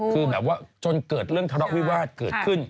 คือแบบว่าจนเกิดเรื่องทะเลาะวิวาสเกิดขึ้น